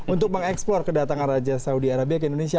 untuk mengeksplor ke datang raja saudi arabia ke indonesia